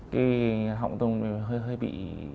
cái họng tôi hơi bị